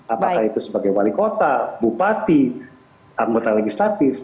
apakah itu sebagai wali kota bupati anggota legislatif